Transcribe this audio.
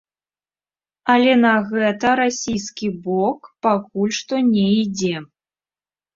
Але на гэта расійскі бок пакуль што не ідзе.